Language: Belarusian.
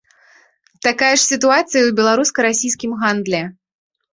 Такая ж сітуацыя і ў беларуска-расійскім гандлі.